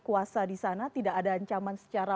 kuasa di sana tidak ada ancaman secara